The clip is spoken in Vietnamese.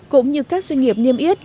cũng như các doanh nghiệp niêm yết